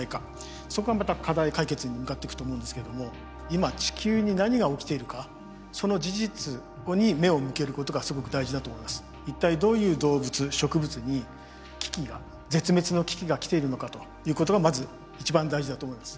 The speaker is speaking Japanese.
そこがまた課題解決に向かっていくと思うんですけれども一体どういう動物植物に危機が絶滅の危機が来ているのかということがまず一番大事だと思います。